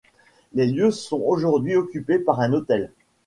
Les lieux sont aujourd'hui occupés par un hôtel.